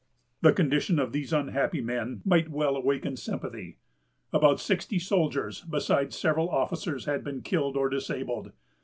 The condition of these unhappy men might well awaken sympathy. About sixty soldiers, besides several officers, had been killed or disabled.